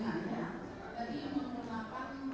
ini tadi menggunakan